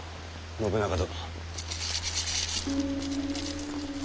信長殿。